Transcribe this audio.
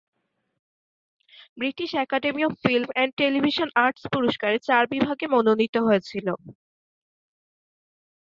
British academy of film and television arts পুরষ্কারে চার বিভাগে মনোনীত হয়েছিল।